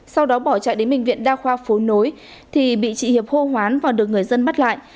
sau đó bỏ chạy đến bệnh viện đa khoa phố nối thì bị chị hiệp hô hoán và được người dân bắt lại